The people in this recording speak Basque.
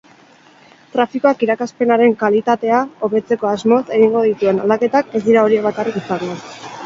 Trafikoak irakaspenaren kalitatea hobetzeko asmoz egingo dituen aldaketak ez dira horiek bakarrik izango.